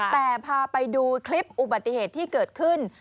แต่พาไปดูคลิปอุบัติเหตุที่เกิดขึ้น